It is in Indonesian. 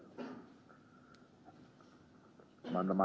ujian pimpinan dan dewas